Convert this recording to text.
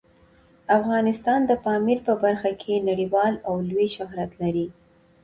افغانستان د پامیر په برخه کې نړیوال او لوی شهرت لري.